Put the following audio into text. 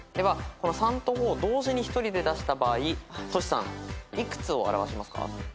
３と５を同時に１人で出した場合トシさん幾つを表しますか？